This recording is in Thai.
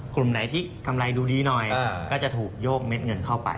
กลุ่มไหนที่กำไรดูดีหน่อยก็จะถูกโยกเม็ดเงินเข้าไป